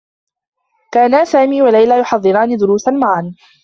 كانا سامي و ليلى يحضران دروسا معا.